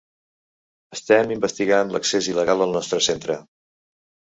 Estem investigant l’accés il·legal al nostre centre.